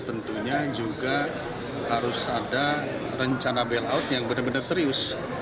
tentunya juga harus ada rencana bailout yang benar benar serius